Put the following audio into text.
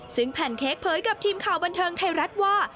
ซึ่งแพนเค้กเผยกับทีมข่าวบันเทิงไทยรัฐว่า